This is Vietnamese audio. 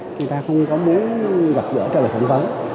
thì ta không có muốn gặp gỡ trả lời phỏng vấn